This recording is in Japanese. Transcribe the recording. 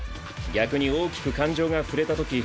逆に大きく感情が振れたとき。